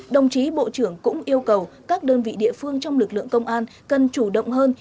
đồng chí bộ trưởng cũng yêu cầu các đơn vị địa phương trong lực lượng công an cần chủ động hơn